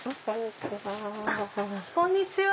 こんにちは。